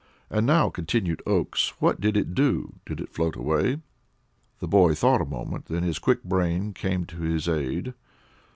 "And now," continued Oakes, "what did it do? Did it float away?" The boy thought a moment, then his quick brain came to his aid.